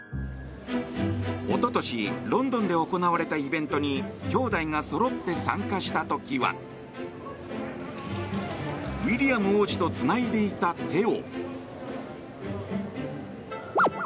一昨年、ロンドンで行われたイベントにきょうだいがそろって参加した時はウィリアム王子とつないでいた手を。